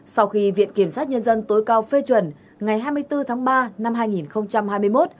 sau khi viện kiểm sát nhân dân tối cao phê chuẩn ngày hai mươi bốn tháng ba năm hai nghìn hai mươi một